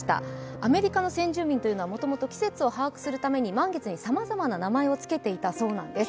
アメリカの先住民というのはもともと季節を把握するために満月にさまざまな名前を付けていたそうなんです。